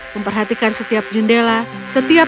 memperhatikan setiap jendela setiap